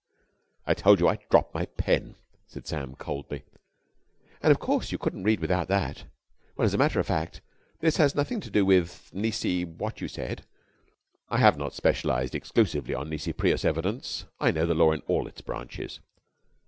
"I told you I dropped my pen," said Sam coldly. "And of course you couldn't read without that! Well, as a matter of fact, this has nothing to do with Nisi what you said." "I have not specialised exclusively on Nisi Prius Evidence. I know the law in all its branches."